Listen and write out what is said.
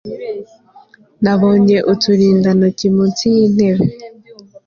nabonye uturindantoki munsi y'intebe